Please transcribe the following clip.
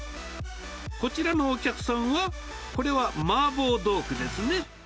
こちらのお客さんは、これは麻婆豆腐ですね。